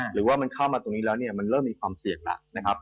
หรือว่ามันเข้ามาตรงนี้แล้วเนี่ยมันเริ่มมีความเสี่ยงแล้วนะครับ